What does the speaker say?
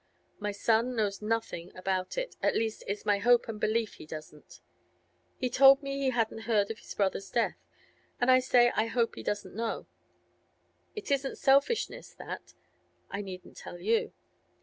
My son knows nothing about it; at least, it's my hope and belief he doesn't. He told me he hadn't heard of his brother's death. I say I hope he doesn't know; it isn't selfishness, that; I needn't tell you.